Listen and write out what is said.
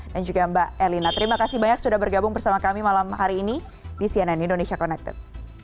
dan juga mbak elina terima kasih banyak sudah bergabung bersama kami malam hari ini di cnn indonesia connected